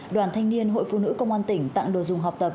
đoàn thanh niên hội phụ nữ công an tỉnh tặng đồ dùng học tập